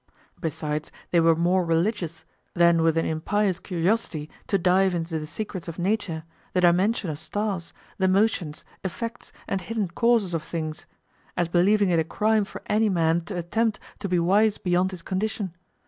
Besides, they were more religious than with an impious curiosity to dive into the secrets of nature, the dimension of stars, the motions, effects, and hidden causes of things; as believing it a crime for any man to attempt to be wise beyond his condition.